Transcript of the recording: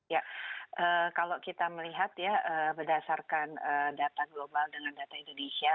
ya kalau kita melihat ya berdasarkan data global dengan data indonesia